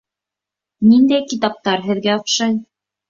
Ниндәй китаптар һеҙгә оҡшай?